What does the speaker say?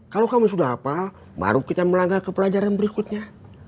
kalau kamu sudah hafal baru kita melangkah ke pelajaran berikutnya